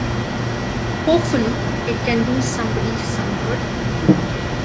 Hopefully, it can do somebody some good.